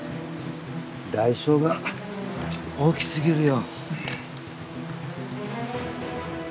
代償が大きすぎるよ。